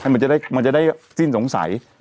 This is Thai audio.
มันจะได้สิ้นสงสัย